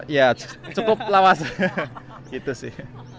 ya cukup lawas gitu sih